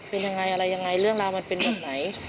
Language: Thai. เป็นยังไงอะไรยังไงเรื่องราวมันเป็นแบบไหน